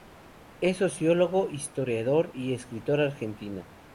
Es sociólogo, historiador y escritor argentino.